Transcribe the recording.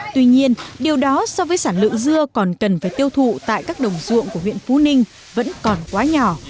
tuy nhiên điều đó so với sản lượng dưa còn cần phải tiêu thụ tại các đồng ruộng của huyện phú ninh vẫn còn quá nhỏ